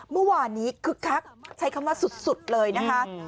เมื่อวานนี้คึกคักใช้คำว่าสุดเลยนะคะ